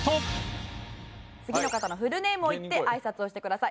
次の方のフルネームを言ってあいさつをしてください。